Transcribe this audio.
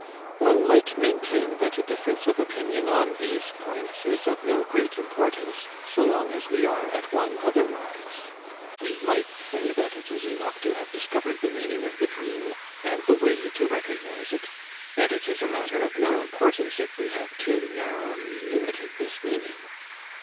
One might maintain that a difference of opinion on these points is of no great importance, so long as we are at one otherwise. We might say that it is enough to have discovered the meaning of the dream, and the way to recognize it; that it is a matter of no importance, if we have too narrowly limited this meaning.